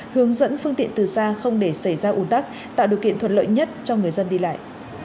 hướng dẫn phương tiện từ xa không để xảy ra ủn tắc tạo điều kiện thuận lợi nhất cho người dân đi lại